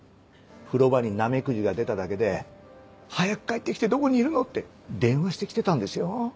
風呂場にナメクジが出ただけで「早く帰ってきてどこにいるの」って電話してきてたんですよ。